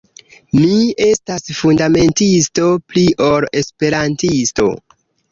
Mi estas fundamentisto, pli ol Esperantisto.